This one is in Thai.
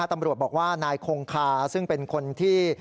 ตำรวจบอกว่านายคงคาซึ่งเป็นคนที่